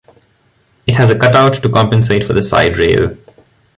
It has a cutout to compensate for the side rail.